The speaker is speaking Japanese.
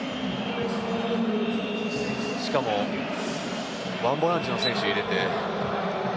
しかも１ボランチの選手を入れて。